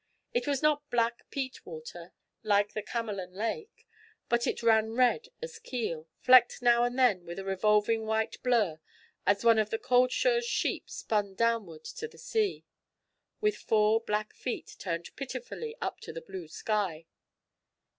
It was not black peat water like the Camelon Lane, but it ran red as keel, flecked now and then with a revolving white blur as one of the Cauldshaws sheep spun downward to the sea, with four black feet turned pitifully up to the blue sky.